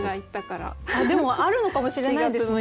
あっでもあるのかもしれないですね。